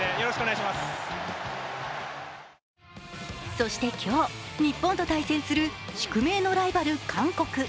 そして今日、日本と対戦する宿命のライバル・韓国。